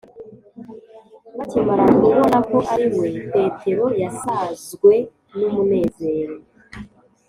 bakimara kubona ko ari we, petero yasazwe n’umunezero